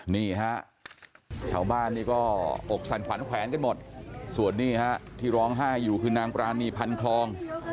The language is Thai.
นี่ฮะชาวบ้านนี่ก็อกสั่นขวัญแขวนกันหมดส่วนนี้ฮะที่ร้องไห้อยู่คือนางปรานีพันคลอง